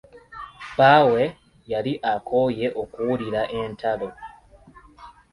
Bbaabwe yali akooye okuwulira entalo.